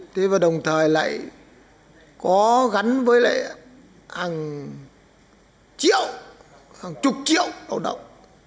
thế và đồng thời lại có gắn với lại hàng triệu hàng chục triệu lao động